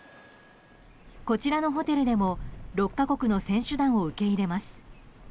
こちらのホテルでも６か国の選手団を受け入れます。